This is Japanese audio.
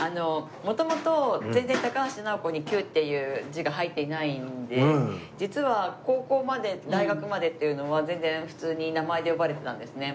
元々全然高橋尚子に「Ｑ」っていう字が入ってないので実は高校まで大学までっていうのは全然普通に名前で呼ばれてたんですね。